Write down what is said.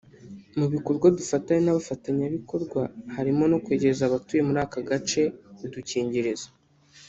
Mu bikorwa dufatanya n’abafatanyabikorwa harimo no kwegereza abatuye muri aka gace udukingirizo